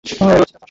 রয়েছে চার সন্তান।